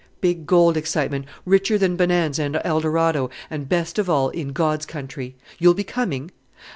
"Big gold excitement richer than Bonanza and Eldorado, and, best of all, in God's country; you'll be coming?"